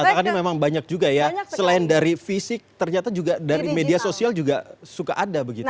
katakannya memang banyak juga ya selain dari fisik ternyata juga dari media sosial juga suka ada begitu ya